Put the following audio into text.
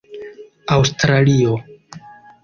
aŭstralio